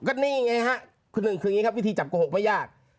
ก็นี่ไงฮะคุณหนึ่งคืออย่างนี้ครับวิธีจับโกหกไม่ยาก